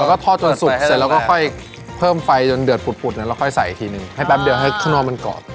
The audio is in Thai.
แล้วก็ทอดจนสุกเสร็จแล้วก็ค่อยเพิ่มไฟจนเดือดปุดแล้วค่อยใส่อีกทีหนึ่งให้แป๊บเดียวให้ข้างนอกมันกรอบ